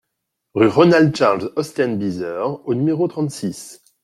Rue Ronald Charles Ostend Beazer au numéro trente-six